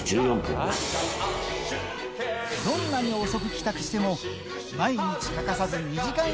どんなに遅く帰宅しても欠かさずえっ？